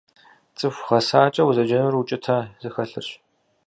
ЦӀыху гъэсакӀэ узэджэнур укӀытэ зыхэлъырщ.